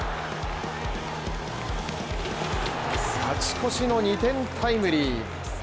勝ち越しの２点タイムリー。